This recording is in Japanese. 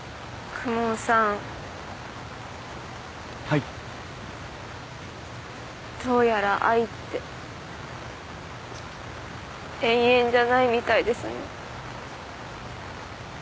公文さんはいどうやら愛って永遠じゃないみたいですね